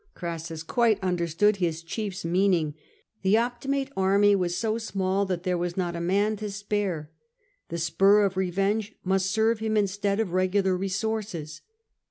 Crassus quite understood his chiefs meaning ; the Optimate army was so small that there was not a man to spare : the spur of revenge must serve him instead of regular resources.